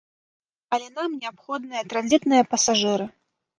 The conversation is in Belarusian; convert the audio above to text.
Але нам неабходныя транзітныя пасажыры.